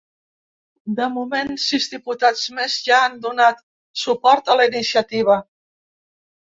De moment, sis diputats més ja han donat suport a la iniciativa.